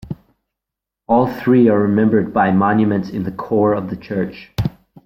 All three are remembered by monuments in the core of the church.